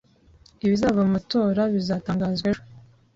Ibizava mu matora bizatangazwa ejo